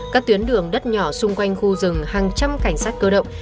các tuyến đường đất nhỏ xung quanh khu rừng hàng trăm cảnh sát cơ động